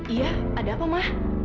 iya ada apa ma